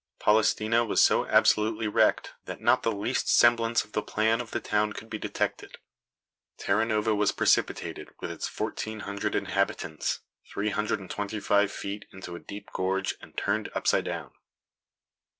Polistena was so absolutely wrecked that not the least semblance of the plan of the town could be detected. Terranova was precipitated, with its fourteen hundred inhabitants, three hundred and twenty five feet into a deep gorge, and turned upside down.